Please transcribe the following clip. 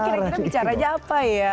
kira kira bicara aja apa ya